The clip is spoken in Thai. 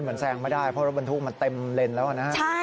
แซงไม่ได้เพราะรถบรรทุกมันเต็มเลนแล้วนะฮะ